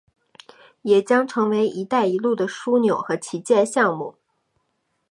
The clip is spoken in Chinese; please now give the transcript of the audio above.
也将成为一带一路的枢纽和旗舰项目。